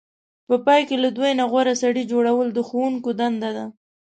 په پای کې له دوی نه غوره سړی جوړول د ښوونکو دنده ده.